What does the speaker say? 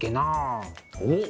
おっ！